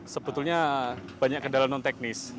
sebetulnya banyak kendala non teknis